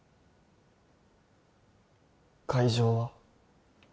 会場は？